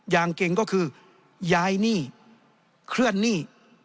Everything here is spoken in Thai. อย่างเก่งก็คือย้ายหนี้เคลื่อนหนี้